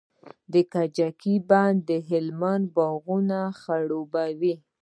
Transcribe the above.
د کجکي بند د هلمند باغونه خړوبوي.